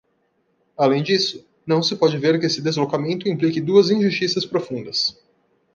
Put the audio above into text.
Além disso, não se pode ver que esse deslocamento implique duas injustiças profundas.